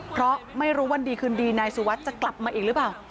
เพราะไม่รู้วันดีคืนดีนายสุวัสดิ์จะกลับมาอีกหรือเปล่า